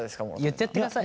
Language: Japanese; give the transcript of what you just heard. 言ってやってください。